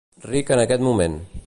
Ric en aquest moment.